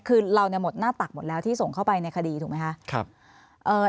คือเราเนี่ยหมดหน้าตักหมดแล้วที่ส่งเข้าไปในคดีถูกไหมคะครับเอ่อ